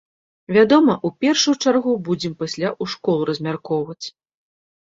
Вядома, у першую чаргу будзем пасля ў школу размяркоўваць.